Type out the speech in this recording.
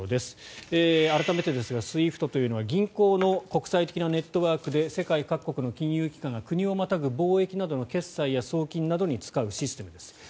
改めてですがＳＷＩＦＴというのは銀行の国際的なネットワークで世界各国の金融機関が国をまたぐ貿易などの決済や送金などに使うシステムです。